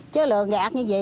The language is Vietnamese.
chứ lường gạt như vậy